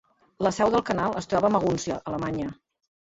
La seu del canal es troba a Magúncia, Alemanya.